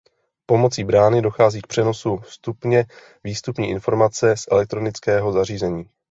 Pomocí brány dochází k přenosu vstupně výstupní informace z elektronického zařízení.